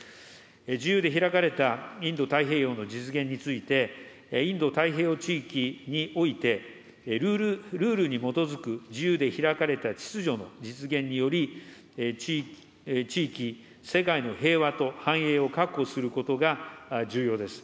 自由で開かれたインド太平洋の実現について、インド太平洋地域において、ルールに基づく自由で開かれた秩序の実現により、地域、世界の平和と繁栄を確保することが重要です。